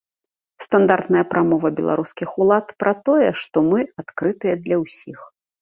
Стандартная прамова беларускіх ўлад пра тое, што мы адкрытыя для ўсіх.